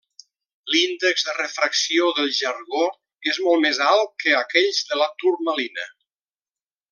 L'índex de refracció del jargó és molt més alt que aquells de la turmalina.